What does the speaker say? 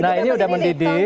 nah ini udah mendidih